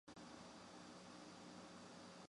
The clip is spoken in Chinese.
格雷西尼亚克小教堂人口变化图示